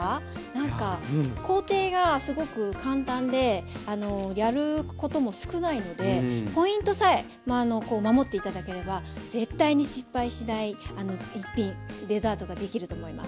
なんか工程がすごく簡単でやることも少ないのでポイントさえ守って頂ければ絶対に失敗しない一品デザートができると思います。